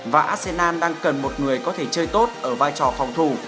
và arsen đang cần một người có thể chơi tốt ở vai trò phòng thủ